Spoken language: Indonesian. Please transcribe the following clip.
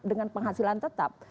dengan penghasilan tetap